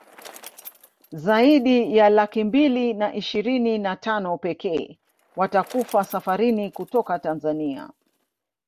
zaidi ya laki mbili na ishirini na tano pekee watakufa safarini kutoka Tanzania